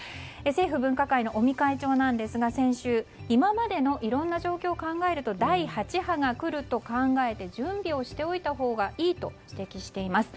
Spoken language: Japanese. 政府分科会の尾身会長ですが先週、今までのいろんな状況を考えると第８波が来ると考えて準備をしておいたほうがいいと指摘しています。